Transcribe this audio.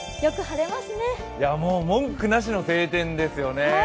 文句なしの晴天ですよね。